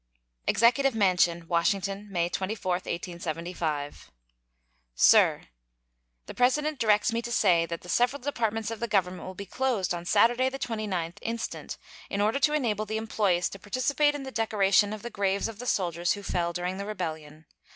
EXECUTIVE MANSION, Washington, May 24, 1875. SIR: The President directs me to say that the several Departments of the Government will be closed on Saturday, the 29th instant, in order to enable the employees to participate in the decoration of the graves of the soldiers who fell during the rebellion.